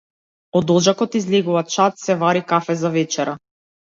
Од оџакот излегува чад, се вари кафе за вечера.